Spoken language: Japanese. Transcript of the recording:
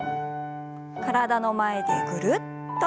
体の前でぐるっと。